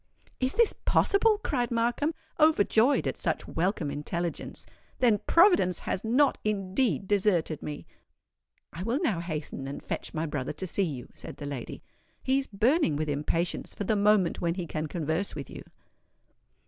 "Is this possible?" cried Markham, overjoyed at such welcome intelligence. "Then Providence has not indeed deserted me!" "I will now hasten and fetch my brother to see you," said the lady. "He is burning with impatience for the moment when he can converse with you."